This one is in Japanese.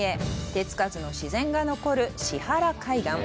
手つかずの自然が残る、志原海岸。